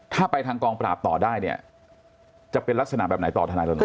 ถ้าไปทางกองปราบต่อได้เนี่ยจะเป็นลักษณะแบบไหนต่อทนายรณรงค